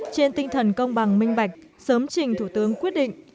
trên tinh thần công bằng minh bạch sớm trình thủ tướng quyết định